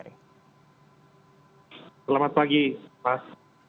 selamat pagi mas